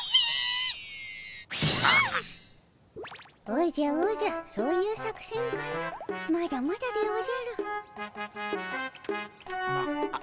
おじゃおじゃそういう作戦かのまだまだでおじゃる。